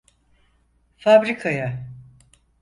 Fabrikaya!